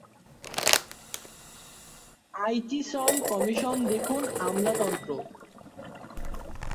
Aitchison commission দেখুন আমলাতন্ত্র।